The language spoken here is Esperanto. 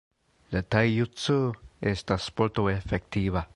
La Tai-Jutsu estas sporto efektiva.